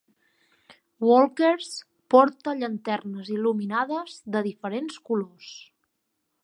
Walkers porta llanternes il·luminades de diferents colors.